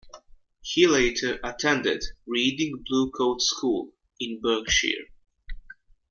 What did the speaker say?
He later attended Reading Blue Coat School in Berkshire.